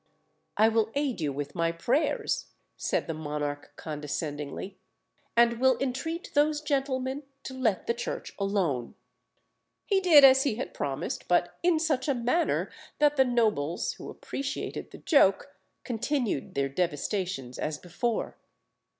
"I will aid you with my prayers," said the monarch condescendingly, "and will entreat those gentlemen to let the Church alone." He did as he had promised, but in such a manner that the nobles, who appreciated the joke, continued their devastations as before.